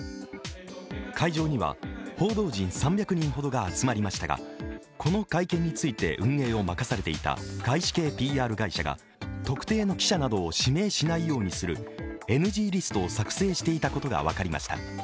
会場には報道陣３００人ほどが集まりましたがこの会見について運営を任されていた外資系ＰＲ会社が特定の記者などを指名しないようにするＮＧリストを作成していたことが分かりました。